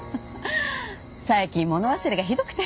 最近物忘れがひどくて。